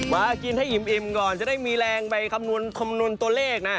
มากินให้อิ่มก่อนจะได้มีแรงไปคำนวณตัวเลขนะ